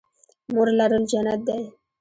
مور لرل جنت دی